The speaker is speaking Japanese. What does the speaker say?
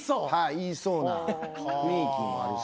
言いそうな雰囲気もあるし。